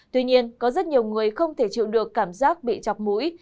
tuy nhiên có rất nhiều người không thể chịu được cảm giác bị chọc mũi